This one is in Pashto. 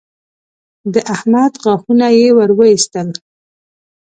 د احمد غاښونه يې ور واېستل